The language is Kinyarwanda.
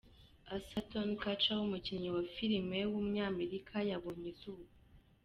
Ashton Kutcher, umukinnyi wa filime w’umunyamerika yabonye izuba.